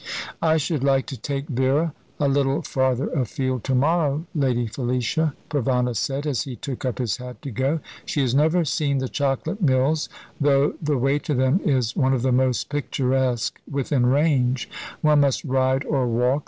"I should like to take Vera a little farther afield to morrow, Lady Felicia," Provana said, as he took up his hat to go. "She has never seen the Chocolate Mills, though the way to them is one of the most picturesque within range. One must ride or walk.